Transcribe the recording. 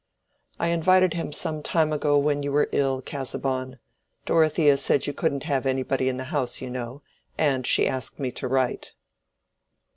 I invited him some time ago when you were ill, Casaubon; Dorothea said you couldn't have anybody in the house, you know, and she asked me to write."